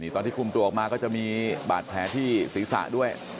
ตอนที่คุมตัวออกมาก็จะมีบาดแผลที่ศีรษะด้วย